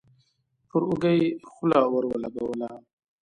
پر اوږه يې خوله ور ولګوله.